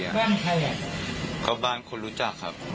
บ้านใครอ่ะก็บ้านคนรู้จักครับ